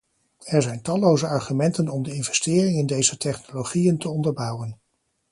Er zijn talloze argumenten om de investering in deze technologieën te onderbouwen.